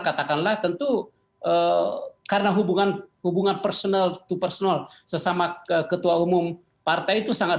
katakanlah tentu karena hubungan hubungan personal to personal sesama ketua umum partai itu sangat